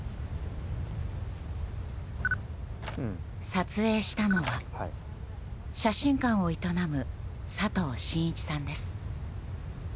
撮影したのは、写真館を営む佐藤信一さんです。